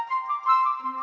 masih syok banget tiff